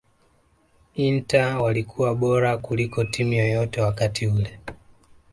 Inter walikuwa bora kuliko timu yoyote wakati ule